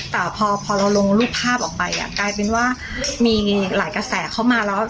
แต่พอพอเราลงรูปภาพออกไปอ่ะกลายเป็นว่ามีหลายกระแสเข้ามาแล้ว